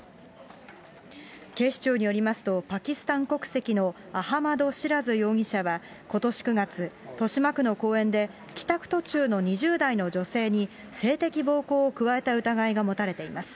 警視庁によりますと、パキスタン国籍のアハマド・シラズ容疑者はことし９月、豊島区の公園で、帰宅途中の２０代の女性に、性的暴行を加えた疑いが持たれています。